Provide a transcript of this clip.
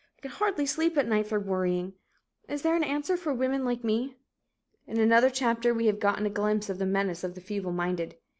I can hardly sleep at night for worrying. Is there an answer for women like me?" In another chapter, we have gotten a glimpse of the menace of the feebleminded.